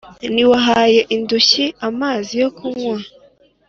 Ntiwahaye indushyi amazi yo kunywa